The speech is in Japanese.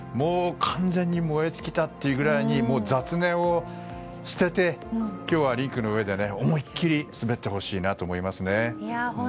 完全に燃え尽きたというぐらいに雑念を捨てて今日はリンクの上で思い切り滑ってほしいなと思いますね。